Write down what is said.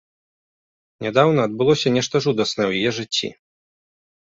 Нядаўна адбылося нешта жудаснае ў яе жыцці.